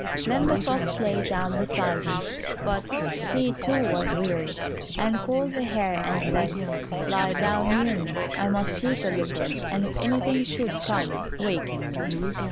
Then the fox lay down beside him, but he too was weary, and called the hare and said, "Lie down near me, I must sleep a little, and if anything should come, waken me."